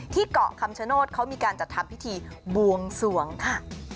เกาะคำชโนธเขามีการจัดทำพิธีบวงสวงค่ะ